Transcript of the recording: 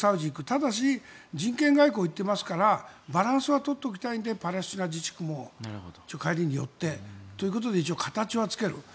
ただし、人権外交といっていますからバランスはとっておきたいのでパレスチナ自治区も帰りに寄ってということで非常に形はつける。